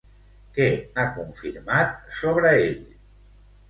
Què ha confirmat sobre ell?